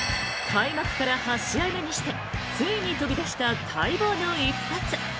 開幕から８試合目にしてついに飛び出した待望の一発。